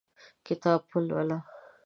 کتاب ولوله !